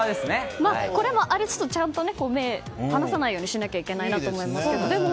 これもありつつ目を離さないようにしないといけないなと思いますけども。